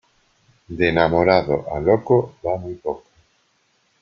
De enamorado a loco va muy poco.